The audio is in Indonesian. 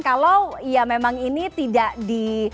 kalau ya memang ini tidak di